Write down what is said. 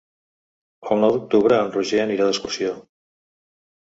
El nou d'octubre en Roger anirà d'excursió.